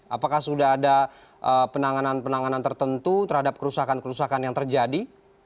apakah sudah ada penanganan penanganan tertentu terhadap kerusakan kerusakan yang terjadi